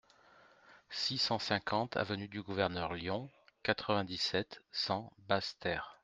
six cent cinquante avenue du Gouverneur Lyon, quatre-vingt-dix-sept, cent, Basse-Terre